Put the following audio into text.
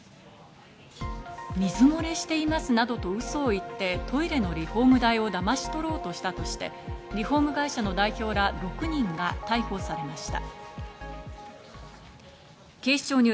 水漏れしていますなどとウソを言って、トイレのリフォーム代をだまし取ろうとしたとして、リフォーム会社の代表ら６人が逮捕されました。